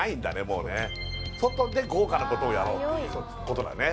もうね外で豪華なことをやろうっていうことだね